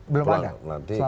belum ada selama ini